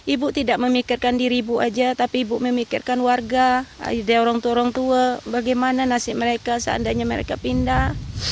ibu tidak memikirkan diri ibu saja tapi ibu memikirkan warga dari orang tua orang tua bagaimana nasib mereka seandainya mereka pindah